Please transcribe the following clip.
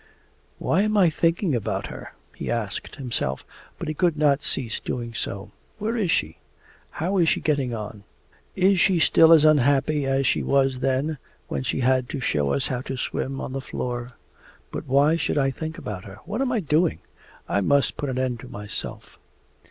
'Why am I thinking about her?' he asked himself, but he could not cease doing so. 'Where is she? How is she getting on? Is she still as unhappy as she was then when she had to show us how to swim on the floor? But why should I think about her? What am I doing? I must put an end to myself.